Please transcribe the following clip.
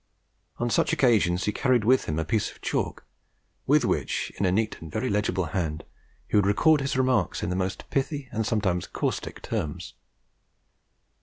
On such occasions he carried with him a piece of chalk, with which, in a neat and very legible hand, he would record his remarks in the most pithy and sometimes caustic terms.